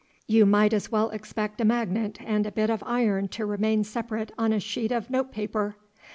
You might as well expect a magnet and a bit of iron to remain separate on a sheet of notepaper.